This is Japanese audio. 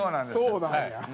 そうなんや。